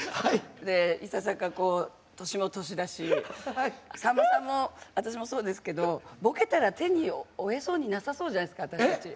でいささか年も年だしさんまさんも私もそうですけどボケたら手に負えそうになさそうじゃないですか私たち。